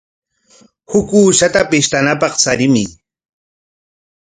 Huk uushata pishtanapaq charimuy.